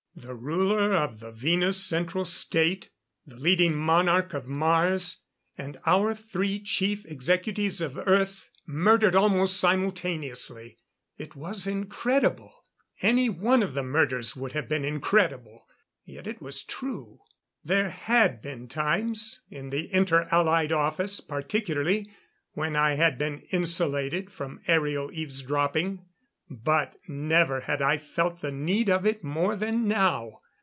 The ruler of the Venus Central State, the leading monarch of Mars, and our three chief executives of Earth murdered almost simultaneously! It was incredible any one of the murders would have been incredible yet it was true. There had been times in the Inter Allied Office, particularly when I had been insulated from aerial eavesdropping. But never had I felt the need of it more than now.